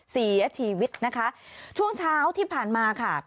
เสียชีวิตนะคะช่วงเช้าที่ผ่านมาค่ะ